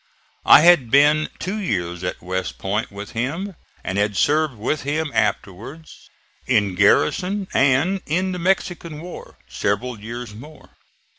I had been two years at West Point with him, and had served with him afterwards, in garrison and in the Mexican war, several years more.